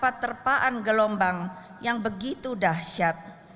terdapat terpaan gelombang yang begitu dahsyat